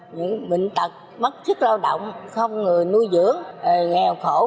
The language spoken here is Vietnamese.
những bệnh tật mất chức lao động không người nuôi dưỡng nghèo khổ